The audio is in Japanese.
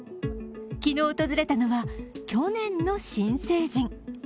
昨日訪れたのは、去年の新成人。